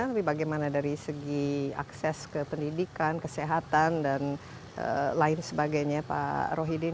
tapi bagaimana dari segi akses ke pendidikan kesehatan dan lain sebagainya pak rohidin